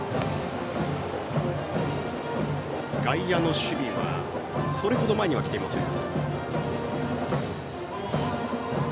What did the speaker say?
外野の守備はそれほど前には来ていません。